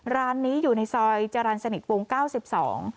ร้านนี้อยู่ในซอยจรันสนิทวง๙๒